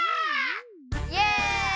イエイ！